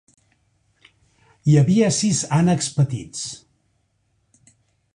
Hi havia sis ànecs petits.